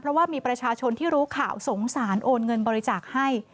เพราะว่ามีประชาชนที่รู้ข่าวสงสารโอนเงินบริจาคให้